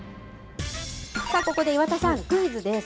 ここで岩田さん、クイズです。